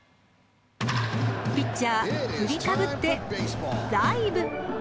ピッチャー、振りかぶってダイブ。